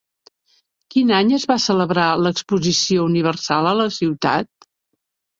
Quin any es va celebrar l'exposició universal a la ciutat?